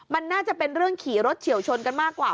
มันน่าจะเป็นเรื่องขี่รถเฉียวชนกันมากกว่า